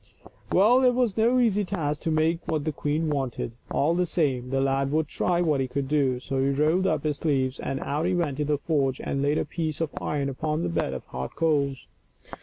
Well, it was no easy task to make what the queen wanted ; all the same, the lad would try what he could do. So he rolled up his sleeves and out he went into the forge and laid a piece of iron upon the bed of hot coals.